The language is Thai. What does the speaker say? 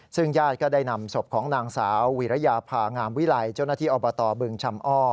ซึ่งญาติก็ได้นำศพของนางสาววีรยาภางามวิลัยเจ้าหน้าที่อบตบึงชำอ้อ